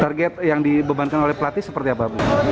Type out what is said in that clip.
target yang dibebankan oleh pelatih seperti apa bu